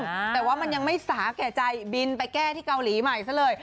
แต่ว่ามันยังไม่สาแก่ใจบินไปแก้ที่เกาหลีใหม่ซะเลย